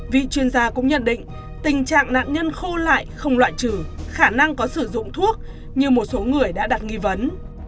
vị chuyên gia cũng nhận định tình trạng nạn nhân khô lại không loại trừ khả năng có sử dụng thuốc như một số người đã đặt nghi vấn